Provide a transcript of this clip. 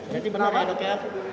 jadi benar ya dok ya